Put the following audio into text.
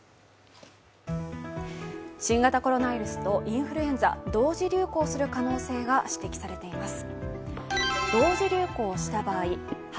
新型コロナウイルスとインフルエンザ、同時流行する可能性が指摘されています。